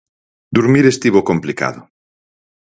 Durmir estivo complicado.